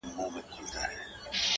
څوک چي له گلاب سره ياري کوي”